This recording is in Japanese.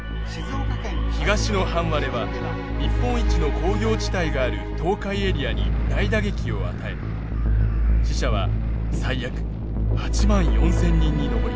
東の半割れは日本一の工業地帯がある東海エリアに大打撃を与え死者は最悪８万４，０００人に上ります。